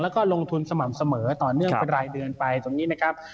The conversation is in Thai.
แล้วก็ลงทุนสม่ำเสมอต่อเนื่องเป็นรายเดือนไปตรงนี้นะครับ